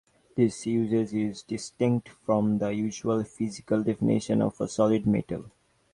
This usage is distinct from the usual physical definition of a solid metal.